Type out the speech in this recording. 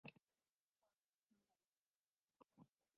Su hábitat son los arroyos de la sabana boscosa.